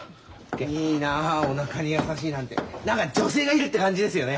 いいなあおなかに優しいなんて何か女性がいるって感じですよね。